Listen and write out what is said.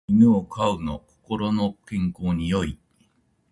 犬を飼うの心の健康に良い